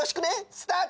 スタート！